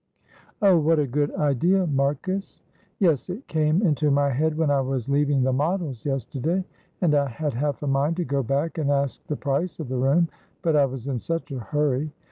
"Oh, what a good idea, Marcus." "Yes, it came into my head when I was leaving the Models yesterday. And I had half a mind to go back and ask the price of the room, but I was in such a hurry.